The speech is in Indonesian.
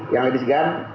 yang lenis gun